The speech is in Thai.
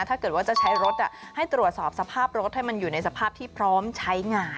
ถ้าเกิดว่าจะใช้รถให้ตรวจสอบสภาพรถให้มันอยู่ในสภาพที่พร้อมใช้งาน